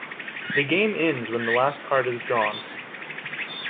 The game ends when the last card is drawn.